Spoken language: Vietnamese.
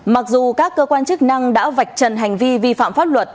mặc dù các cơ quan chức năng đã vạch trần hành vi vi phạm pháp luật